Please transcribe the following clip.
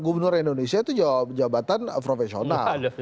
gubernur indonesia itu jabatan profesional